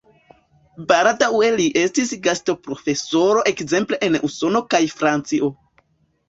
Baldaŭe li estis gastoprofesoro ekzemple en Usono kaj Francio.